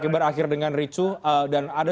berakhir dengan ricuh dan ada